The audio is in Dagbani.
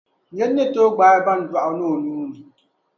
Nir’ ni tooi gbaai baandɔɣu niŋ o nuu ni.